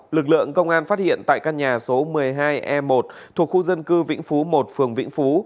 lực lượng công an phát hiện tại căn nhà số một mươi hai e một thuộc khu dân cư vĩnh phú một phường vĩnh phú